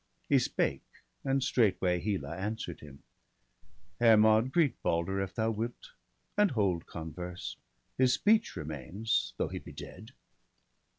''' He spake ; and straightway Hela answered him :—' Hermod, greet Balder if thou wilt, and hold Converse ; his speech remains, though he be dead.'